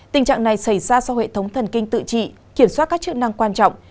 tình trạng này xảy ra sau hệ thống thần kinh tự trị kiểm soát các chức năng quan trọng